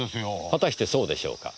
果たしてそうでしょうか。